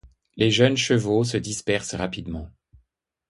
Les jeunes chevaux se dispersent rapidement.